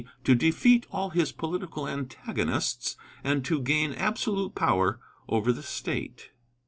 to defeat all his political antagonists and to gain absolute power over the State.